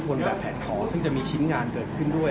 บนแบบแผนขอซึ่งจะมีชิ้นงานเกิดขึ้นด้วย